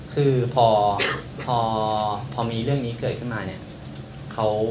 คือพอมีเรื่องนี้เกิดขึ้นมาเนี่ย